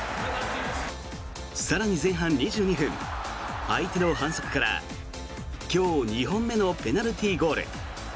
更に前半２２分、相手の反則から今日、２本目のペナルティーゴール。